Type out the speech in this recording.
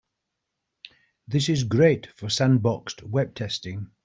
This is great for sandboxed web testing.